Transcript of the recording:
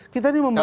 kita ini membantu